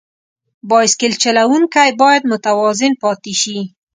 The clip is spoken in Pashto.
بایسکل چلوونکی باید متوازن پاتې شي.